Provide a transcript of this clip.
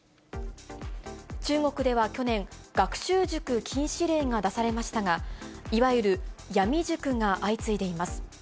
中国では去年、学習塾禁止令が出されましたが、いわゆる闇塾が相次いでいます。